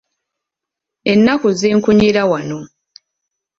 Ennaku zinkunyira wano.